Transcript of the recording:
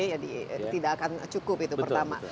ya tidak akan cukup itu pertama